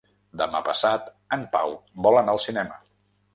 Demà passat en Pau vol anar al cinema.